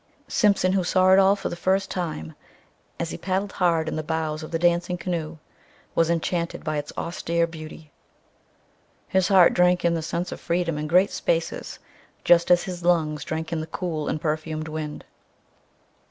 Simpson, who saw it all for the first time as he paddled hard in the bows of the dancing canoe, was enchanted by its austere beauty. His heart drank in the sense of freedom and great spaces just as his lungs drank in the cool and perfumed wind.